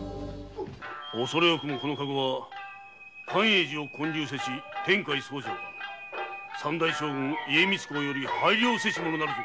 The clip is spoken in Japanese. おそれ多くもこのカゴは寛永寺を建立せし天海僧正が三代将軍・家光公より拝領せしものなるぞ。